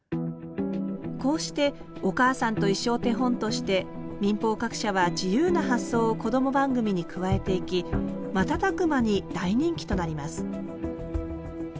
こうして「おかあさんといっしょ」を手本として民放各社は自由な発想をこども番組に加えていき瞬く間に大人気となります